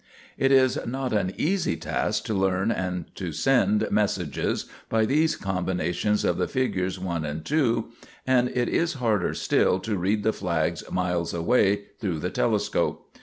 "] It is not an easy task to learn to send messages by these combinations of the figures 1 and 2, and it is harder still to read the flags miles away through the telescope.